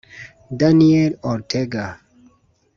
Daniel Ortega